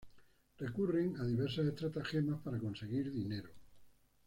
Recurren a diversas estratagemas para conseguir dinero.